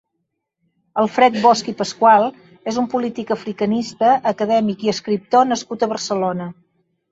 Alfred Bosch i Pascual és un polític, africanista, acadèmic i escriptor nascut a Barcelona.